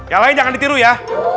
yang lain jangan ditiru ya